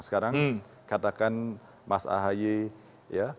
sekarang katakan mas ahaye ya